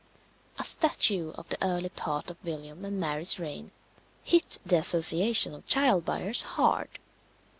A statute of the early part of William and Mary's reign hit the association of child buyers hard.